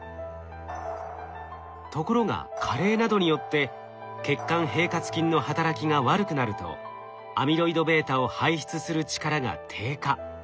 ところが加齢などによって血管平滑筋の働きが悪くなるとアミロイドβを排出する力が低下。